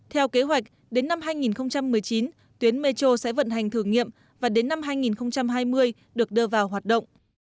theo kế hoạch đến năm hai nghìn một mươi chín tuyến metro sẽ vận hành thử nghiệm và đến năm hai nghìn hai mươi được đưa vào hoạt động